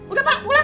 udah pak pulang